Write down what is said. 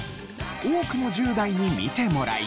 多くの１０代に見てもらい。